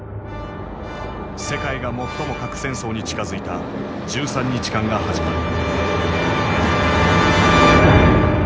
世界が最も核戦争に近づいた１３日間が始まる。